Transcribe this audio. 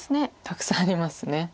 たくさんあります。